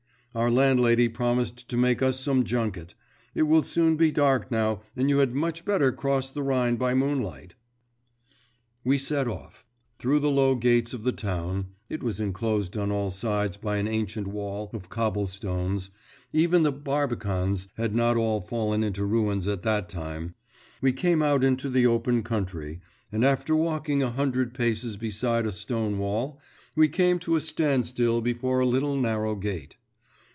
Our landlady promised to make us some junket. It will soon be dark now, and you had much better cross the Rhine by moonlight.' We set off. Through the low gates of the town (it was enclosed on all sides by an ancient wall of cobble stones, even the barbicans had not all fallen into ruins at that time), we came out into the open country, and after walking a hundred paces beside a stone wall, we came to a standstill before a little narrow gate.